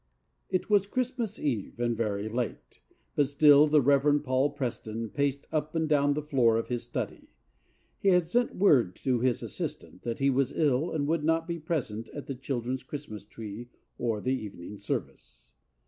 It was Christmas Eve and very late, but still the Reverend Paul Preston paced up and down the floor of his study. He had sent word to his assistant that he was ill and would not be present at the children's Christmas tree or the evening service.